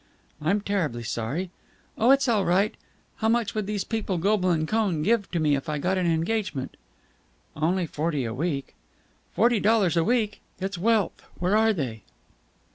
"I'm terribly sorry." "Oh, it's all right. How much would these people Goble and Cohn give me if I got an engagement?" "Only forty a week." "Forty dollars a week! It's wealth! Where are they?"